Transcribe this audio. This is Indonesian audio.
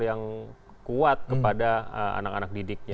yang kuat kepada anak anak didiknya